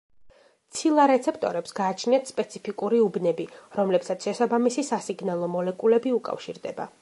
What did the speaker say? ცილა რეცეპტორებს გააჩნიათ სპეციფიკური უბნები, რომლებსაც შესაბამისი სასიგნალო მოლეკულები უკავშირდება.